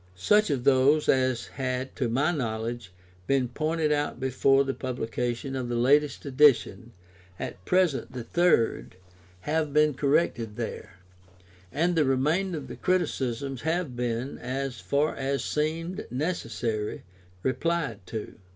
Such of those as had (to my knowledge) been pointed out before the publication of the latest edition (at present the third) have been corrected there, and the remainder of the criticisms have been, as far as seemed necessary, replied to.